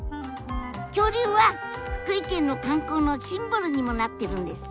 恐竜は福井県の観光のシンボルにもなってるんです。